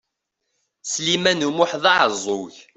Sliman U Muḥ d aɛeẓẓug.